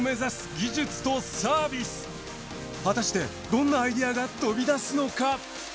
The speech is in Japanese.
果たしてどんなアイデアが飛び出すのか！？